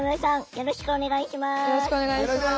よろしくお願いします。